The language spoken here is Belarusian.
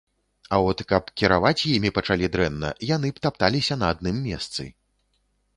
А от каб кіраваць імі пачалі дрэнна, яны б тапталіся на адным месцы.